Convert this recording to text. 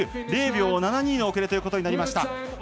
０秒７２の遅れということになりました。